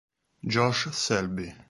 Josh Selby